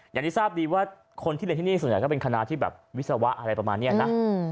อย่างที่ทราบดีว่าคนที่เรียนที่นี่ส่วนใหญ่ก็เป็นคณะที่แบบวิศวะอะไรประมาณนี้นะ